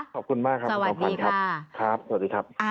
ขอบคุณมากครับสวัสดีค่ะ